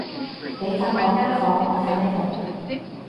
你瞓我間房，我瞓呢度